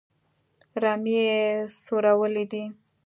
رمې یې څرولې دي.